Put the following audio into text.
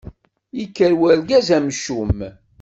Yekker urgaz amcum.